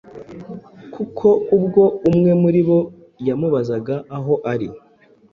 kuko ubwo umwe muri bo yamubazaga aho ari,